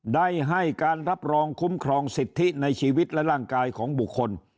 ได้ให้การรับรองคุ้มครองสิทธิในชีวิตและร่างกายของบุคคล